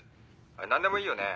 何でもいいよね。